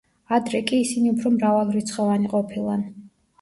ადრე კი ისინი უფრო მრავალრიცხოვანი ყოფილან.